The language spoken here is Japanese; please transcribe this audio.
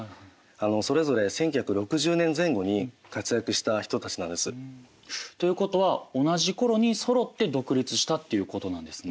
それぞれ１９６０年前後に活躍した人たちなんです。ということは同じ頃にそろって独立したっていうことなんですね。